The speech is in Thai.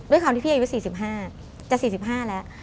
ด้วยความที่พี่อายุ๔๕จะ๔๕แล้ว